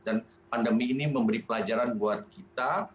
dan pandemi ini memberi pelajaran buat kita